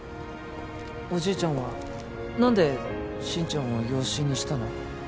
おじいちゃんは何で心ちゃんを養子にしたの？